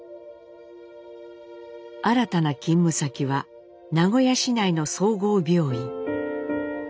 新たな勤務先は名古屋市内の総合病院。